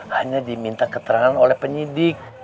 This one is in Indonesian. hanya diminta keterangan oleh penyidik